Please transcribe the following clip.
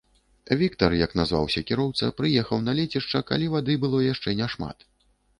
Віктар, як назваўся кіроўца, прыехаў на лецішча, калі вады было яшчэ няшмат.